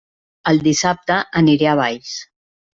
El dissabte aniré a Valls!